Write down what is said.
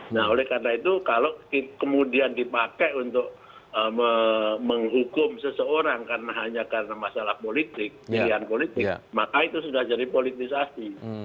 nah oleh karena itu kalau kemudian dipakai untuk menghukum seseorang karena hanya karena masalah politik pilihan politik maka itu sudah jadi politisasi